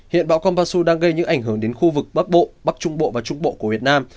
hiện bão kombasu đang gây những ảnh hưởng đến khu vực bắc bộ bắc trung bộ và trung bộ của việt nam